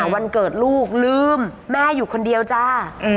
วันเกิดลูกลืมแม่อยู่คนเดียวจ้า